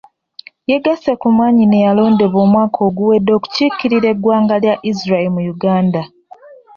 Yeegasse ku mwannyina eyalondebwa omwaka oguwedde okukiikirira eggwanga lya Isreal mu Uganda.